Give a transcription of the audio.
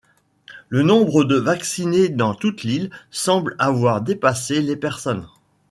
Le nombre de vaccinés dans toute l’île semble avoir dépassé les personnes.